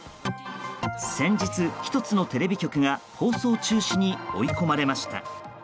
先日、１つのテレビ局が放送中止に追い込まれました。